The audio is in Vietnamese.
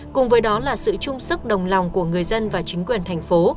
cùng với đó là sự chung sức đồng lòng của người dân và chính quyền tp